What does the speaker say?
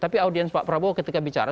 tapi audiens pak prabowo ketika bicara